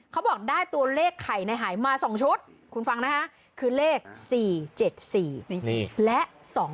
เขาบอกได้ตัวเลขไข่ในหายมา๒ชุดคุณฟังนะคะคือเลข๔๗๔และ๒๕๖